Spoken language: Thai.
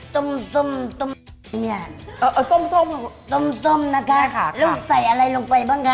ต้มนะคะแล้วใส่อะไรลงไปบ้างคะ